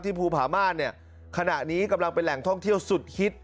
ภูผาม่านเนี่ยขณะนี้กำลังเป็นแหล่งท่องเที่ยวสุดฮิต